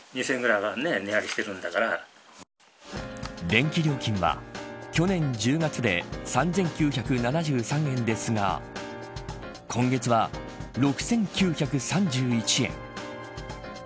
電気料金は去年１０月で、３９７３円ですが今月は６９３１円。